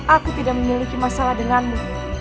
aku tidak memiliki masalah denganmu